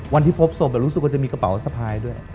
วันที่พบศพรู้สึกว่าจะมีกระเป๋าสะพายด้วย